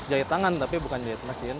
jahit tangan tapi bukan jahit mesin